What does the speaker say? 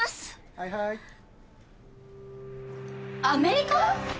アメリカ！？